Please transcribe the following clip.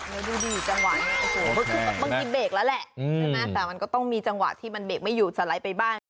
ดูดีจังหวะบางทีเบรกแล้วแหละแต่มันก็ต้องมีจังหวะที่มันเบรกไม่หยุดสไลด์ไปบ้าง